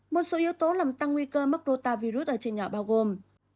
một số yếu tố làm tăng nguy cơ mắc rô ta virus ở trên nhỏ bao gồm